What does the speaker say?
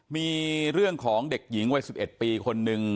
มีเรื่องของเด็กหญิงวัย๑๑ปีคนนึง